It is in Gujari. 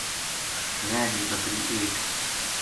رِہ گئی بکری ایک